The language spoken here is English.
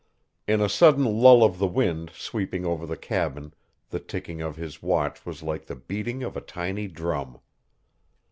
In a sudden lull of the wind sweeping over the cabin the ticking of his watch was like the beating of a tiny drum.